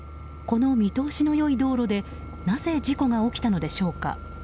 この見通しの良い道路でなぜ事故が起きたのでしょうか。